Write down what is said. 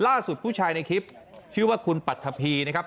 ผู้ชายในคลิปชื่อว่าคุณปัทธพีนะครับ